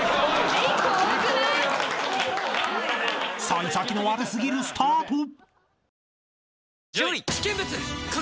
［幸先の悪すぎるスタート］